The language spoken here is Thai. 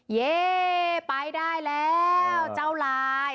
เย่ไปได้แล้วเจ้าลาย